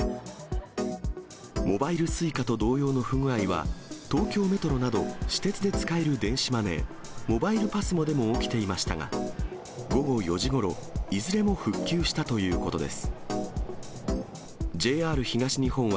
モバイルＳｕｉｃａと同様の不具合は、東京メトロなど、私鉄で使える電子マネー、モバイルＰＡＳＭＯでも起きていましたが、午後４時ごろ、いずれも復旧したということです。